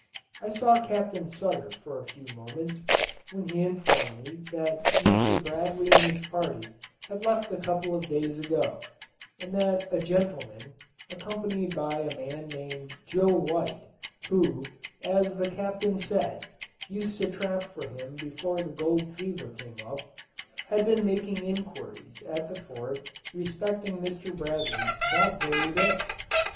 I saw Captain Sutter for a few moments, when he informed me that Mr. Bradley and his party had left a couple of days ago; and that a gentleman, accompanied by a man named Joe White, who, as the Captain said, used to trap for him before the gold fever came up, had been making inquiries at the Fort respecting Mr. Bradley that very day.